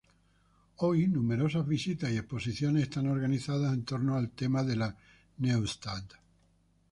Hoy, numerosas visitas y exposiciones están organizadas entorno al tema de la Neustadt.